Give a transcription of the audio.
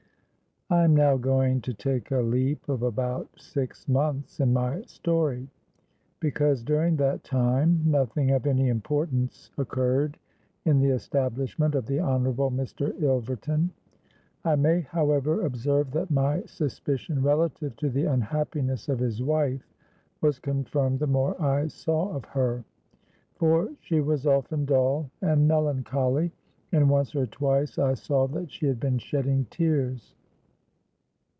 "I am now going to take a leap of about six months in my story; because, during that time, nothing of any importance occurred in the establishment of the Honourable Mr. Ilverton. I may, however, observe that my suspicion relative to the unhappiness of his wife was confirmed the more I saw of her; for she was often dull and melancholy—and once or twice I saw that she had been shedding tears.